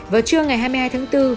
vào trưa ngày hai mươi hai tháng bốn